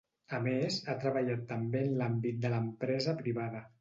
A més, ha treballat també en l'àmbit de l'empresa privada.